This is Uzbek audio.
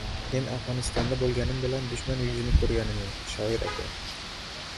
— Men Afg‘onistonda bo‘lganim bilan dushman yuzini ko‘rganim yo‘q, shoir aka.